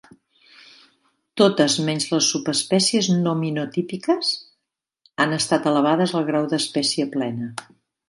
Totes menys les subespècies nominotípiques han estat elevades al grau d'espècie plena.